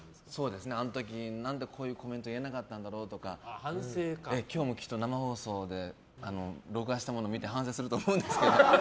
あの時何でコメント言えなかったんだろうとか今日も生放送で録画したもの見て反省すると思うんですけど。